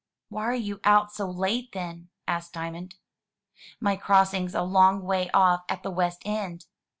"Why are you out so late, then?" asked Diamond. "My crossing's a long way off at the West End."